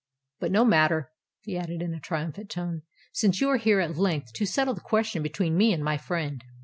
But no matter," he added, in a triumphant tone, "since you are here at length to settle the question between me and my friend."